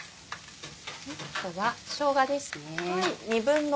あとはしょうがですね。